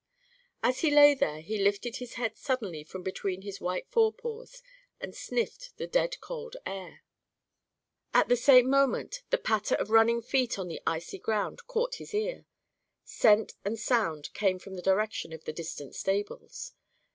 As he lay there he lifted his head suddenly from between his white forepaws and sniffed the dead cold air. At the same moment the patter of running feet on the icy ground caught his ear. Scent and sound came from the direction of the distant stables.